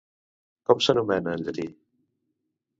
Com s'anomena en llatí?